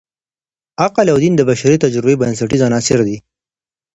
عقل او دین د بشري تجربې بنسټیز عناصر دي.